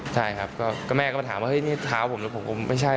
ใช่ครับก็แม่ก็มาถามว่าเฮ้ยนี่เท้าผมหรือผมคงไม่ใช่